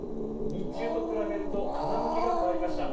日中と比べると風向きが変わりました。